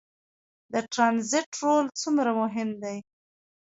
د ټرانزیټ رول څومره مهم دی؟